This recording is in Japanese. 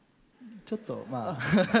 ちょっとまあ。